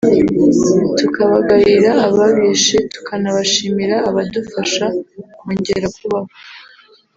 tukabagayira ababishe tukanabashimira abadufasha kongera kubaho